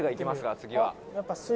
次は」